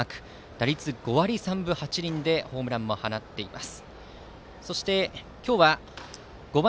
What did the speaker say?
打率５割３分８厘でホームランも放っています。